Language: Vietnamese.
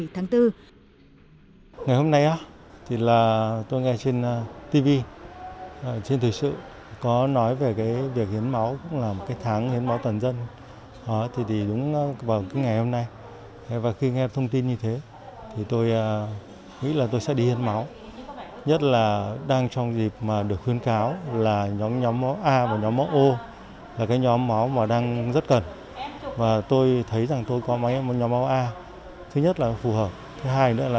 thực hiện nghiêm túc việc tránh tập trung đông người theo chỉ thị số một mươi sáu mặc dù nhiều lịch hiến máu được lên kế hoạch từ trước bị hủy bỏ